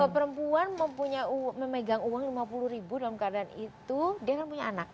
perempuan memegang uang lima puluh ribu dalam keadaan itu dia kan punya anak